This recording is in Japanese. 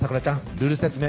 ルール説明